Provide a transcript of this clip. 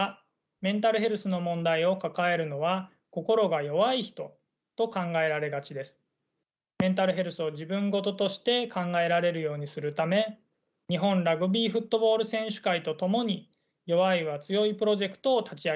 メンタルヘルスを自分事として考えられるようにするため日本ラグビーフットボール選手会と共に「よわいはつよいプロジェクト」を立ち上げました。